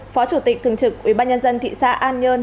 phó chủ tịch thường trực ubnd thị xã an nhơn